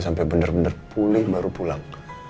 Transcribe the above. sampai benar benar pulih baru pulang